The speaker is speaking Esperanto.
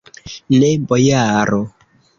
Ne, bojaro.